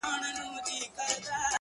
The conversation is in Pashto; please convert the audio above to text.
څومره بلند دی ـ